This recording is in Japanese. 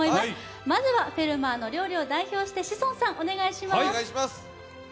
まずは「フェルマーの料理」を代表して志尊さんお願いします。